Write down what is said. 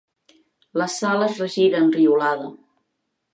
La Sal es regira, enriolada.